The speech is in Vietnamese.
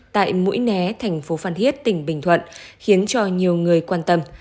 tại mũi né thành phố phan thiết tỉnh bình thuận khiến cho nhiều người quan tâm